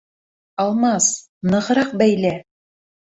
Алмас, нығыраҡ бәйлә!